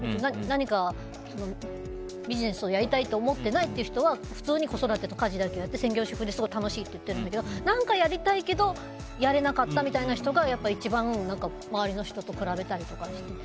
何か、ビジネスをやりたいって思ってない人は普通に子育てと家事だけやって専業主婦ですごい楽しいって言ってるんだけど何かやりたいけどやれなかったみたいな人が、一番周りの人と比べたりとかしてる。